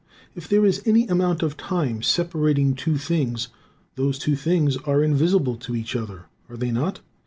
If there is any amount of time separating two things, those two things are invisible to each other, are they not?